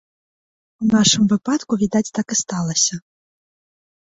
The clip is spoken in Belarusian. У нашым выпадку, відаць, так і сталася.